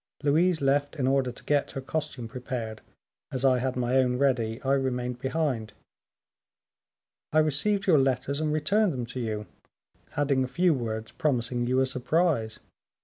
Louise left in order to get her costume prepared; as I had my own ready, I remained behind; I received your letters, and returned them to you, adding a few words, promising you a surprise.